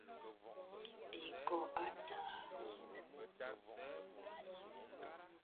Ékôn é tagha.